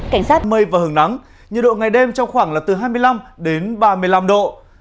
cảnh sát mây và hứng nắng nhiệt độ ngày đêm trong khoảng là từ hai mươi năm đến ba mươi năm độ